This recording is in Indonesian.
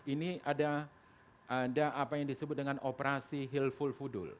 ini ada apa yang disebut dengan operasi hilful fudul